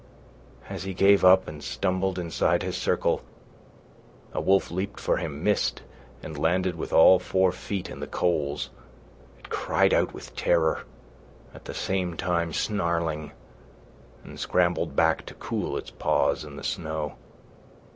As he gave up and stumbled inside his circle, a wolf leaped for him, missed, and landed with all four feet in the coals. It cried out with terror, at the same time snarling, and scrambled back to cool its paws in the snow.